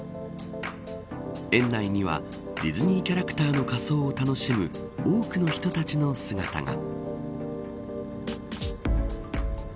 園内にはディズニーキャラクターの仮装を楽しむ多くの人たちの姿が。